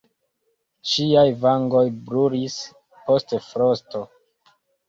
Ŝiaj vangoj brulis post frosto.